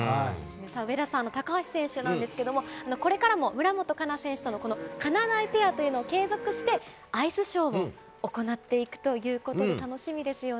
上田さん、高橋選手なんですけれども、これからも村元哉中選手とのこのかなだいペアというのを継続して、アイスショーを行っていくということで、楽しみですよね。